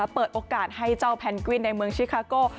เปิดโอกาสให้เจ้าแพนกวินในเมืองชิคาโก้